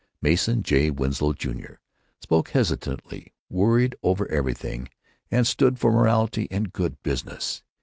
Mason J. Winslow, Jr., spoke hesitatingly, worried over everything, and stood for morality and good business.